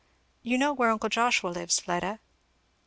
You know where uncle Joshua lives, Fleda?